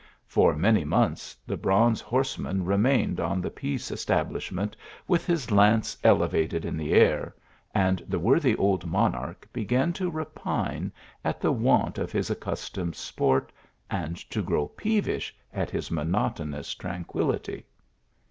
For many months the bronze horseman remained on the peace establishment with his lance elevated in the air, and the worthy old monarch began to repine at the want of his accustomed sport, and to grow pee vish at his monotonous tranquillity.